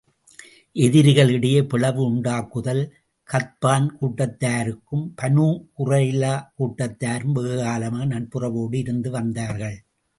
எதிரிகளிடையே பிளவு உண்டாக்குதல் கத்பான் கூட்டத்தாரும், பனூ குறைலா கூட்டத்தாரும் வெகுகாலமாக நட்புறவோடு இருந்து வந்தார்கள்.